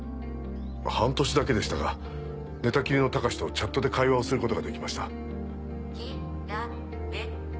半年だけでしたが寝たきりの隆とチャットで会話をすることができました。